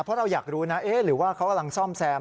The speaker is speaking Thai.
เพราะเราอยากรู้นะหรือว่าเขากำลังซ่อมแซม